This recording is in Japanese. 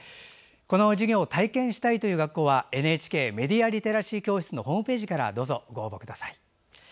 この授業を体験したいという学校はＮＨＫメディア・リテラシー教室のホームページからご応募ください。